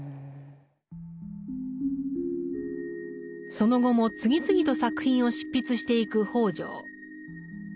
その後も次々と作品を執筆していく北條。